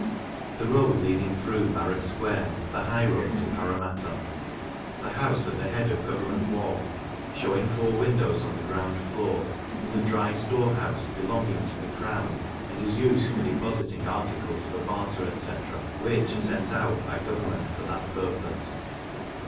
The road leading through Barrack square is the high road to Parramatta. The house at the head of Government wharf, shewing four windows on the ground floor, is a Dry Storehouse belonging to the crown, and is used for depositing articles for barter, etc. in, which are sent out by government for that purpose.